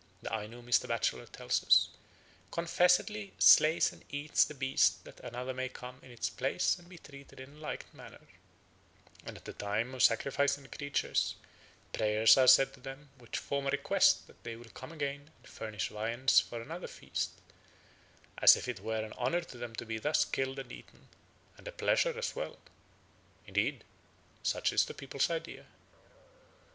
The Aino, Mr. Batchelor tells us, "confessedly slays and eats the beast that another may come in its place and be treated in like manner"; and at the time of sacrificing the creatures "prayers are said to them which form a request that they will come again and furnish viands for another feast, as if it were an honour to them to be thus killed and eaten, and a pleasure as well. Indeed such is the people's idea."